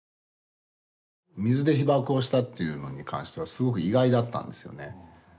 水で被ばくをしたっていうのに関してはすごく意外だったんですよね。